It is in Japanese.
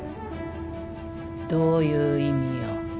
どういう意味よ。